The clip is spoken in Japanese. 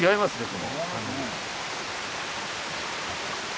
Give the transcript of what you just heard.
この感じ。